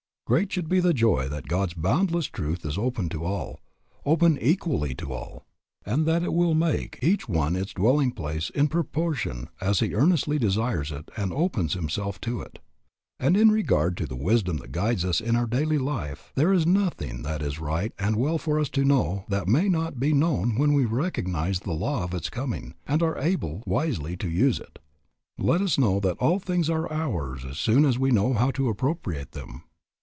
Great should be the joy that God's boundless truth is open to all, open equally to all, and that it will make each one its dwelling place in proportion as he earnestly desires it and opens himself to it. And in regard to the wisdom that guides us in our daily life, there is nothing that it is right and well for us to know that may not be known when we recognize the law of its coming, and are able wisely to use it. Let us know that all things are ours as soon as we know how to appropriate them.